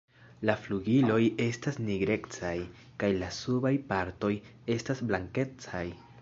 La flugiloj estas nigrecaj kaj la subaj partoj estas blankecaj.